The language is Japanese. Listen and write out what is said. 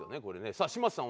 さあ嶋佐さん